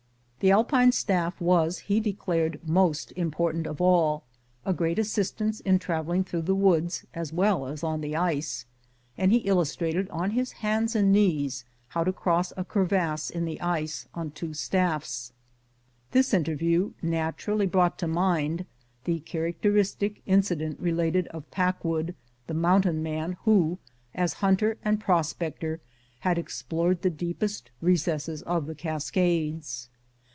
The Alpine staffs was, he declared, most important of all, a great assistance in traveling through the woods as well as on the ice ; and he illustrated on his hands and knees how to cross a crevasse in the ice on two staffs. This interview naturally brought to mind the characteristic incident related of Packwood, the mountain man who, as hunter and prospector, had explored the deepest recesses of the Cascades.